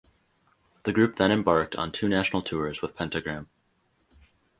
The group then embarked on two national tours with Pentagram.